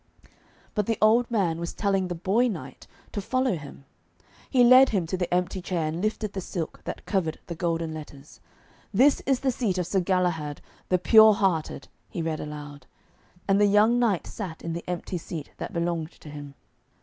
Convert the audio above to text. But the old man was telling the boy knight to follow him. He led him to the empty chair, and lifted the silk that covered the golden letters. 'This is the seat of Sir Galahad, the Pure hearted,' he read aloud. And the young knight sat in the empty seat that belonged to him.